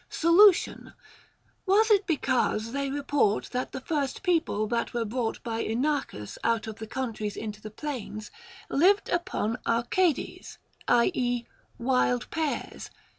Solution. Was it because they report that the first people that were brought by Inachus out of the countries into the plains, lived upon άχηάδες, i.e. wild pears